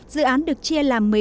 dự án được chia làm